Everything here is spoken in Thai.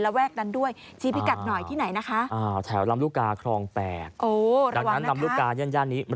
หากเครือจะไปเอาเจ้าทายดุงงานหนิอายุเชียวนะคุณบอส